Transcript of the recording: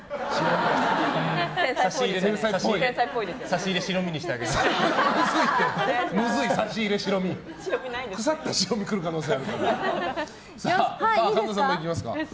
差し入れ、白身にしてあげます。